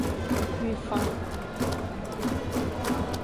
Kuifan.